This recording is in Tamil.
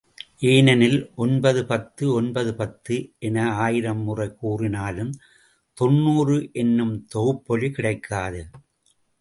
ஏனெனில், ஒன்பது பத்து ஒன்பது பத்து என ஆயிரம் முறை கூறினும் தொண்ணூறு என்னும் தொகுப்பொலி கிடைக்காது.